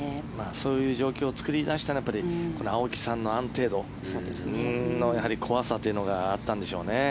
そういう状況を作り出したのは青木さんの安定度の怖さというのがあったんでしょうね。